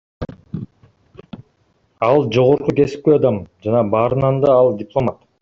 Ал — жогорку кесипкөй адам, жана барынан да ал дипломат.